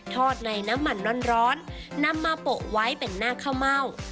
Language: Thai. อดในน้ำมันร้อนนำมาโปะไว้เป็นหน้าข้าวเม่า